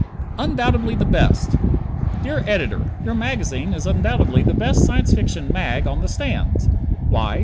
"Undoubtedly the Best" Dear Editor: Your magazine is undoubtedly the best Science Fiction "mag" on the stands. Why?